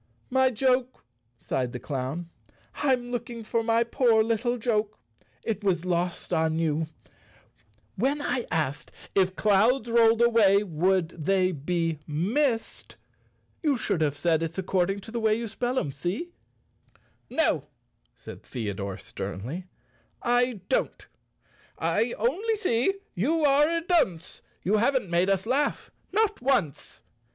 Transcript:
"My joke," sighed the clown, "I'm looking for my poor little joke. It was lost on you. When I asked, 'If the clouds rolled away, would they be mist,' you should have said it's according to the way you spell 'em— see?" 90 Chapter Seven "No," said Theodore, sternly, "I don't, " I only see you are a dunce; You haven't made us laugh, not once!